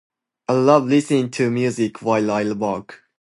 I love listening to music while I work.